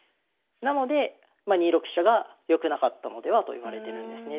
なので２六飛車が良くなかったのではといわれてるんですね。